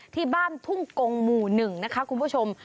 ที่บ้านทุ่งกงหมู่๑นะคะคุณผู้ชม